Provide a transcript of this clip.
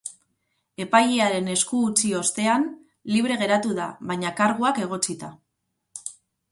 Epailearen esku utzi ostean, libre geratu da, baina karguak egotzita.